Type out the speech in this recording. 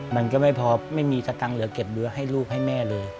มันก็ไม่พอไม่มีสตังค์เหลือเก็บเรือให้ลูกให้แม่เลย